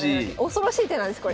恐ろしい手なんですこれ。